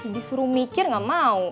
disuruh mikir gak mau